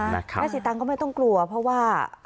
แม่สีตังค์ก็ไม่ต้องกลัวเพราะว่า